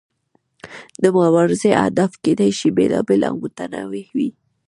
د مبارزې اهداف کیدای شي بیلابیل او متنوع وي.